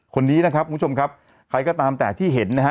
คนนี้นะครับคุณผู้ชมครับใครก็ตามแต่ที่เห็นนะฮะ